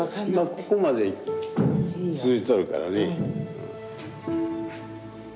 ここまで通じとるからね。